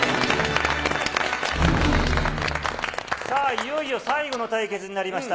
さあ、いよいよ最後の対決になりました。